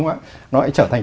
nó lại trở thành